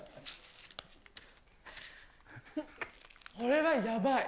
これはやばい。